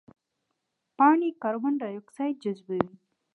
پاڼې د کاربن ډای اکساید جذبوي